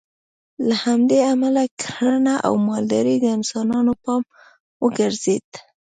له همدې امله کرنه او مالداري د انسانانو پام وګرځېد